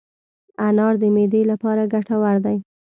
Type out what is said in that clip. انار د معدې لپاره ګټور دی.